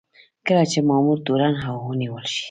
کله چې مامور تورن او ونیول شي.